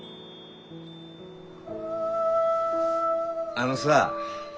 あのさ。